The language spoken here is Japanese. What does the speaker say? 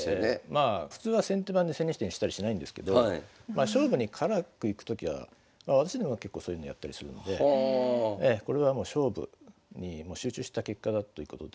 まあ普通は先手番で千日手にしたりしないんですけど勝負に辛くいくときは私でも結構そういうのやったりするのでこれはもう勝負にもう集中した結果だということで。